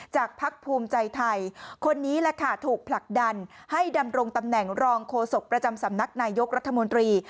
พักภูมิใจไทยคนนี้แหละค่ะถูกผลักดันให้ดำรงตำแหน่งรองโฆษกประจำสำนักนายยกรัฐมนตรี